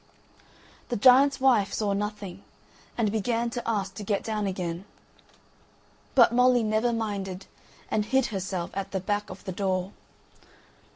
The giant's wife saw nothing, and began to ask to get down again; but Molly never minded, but hid herself at the back of the door.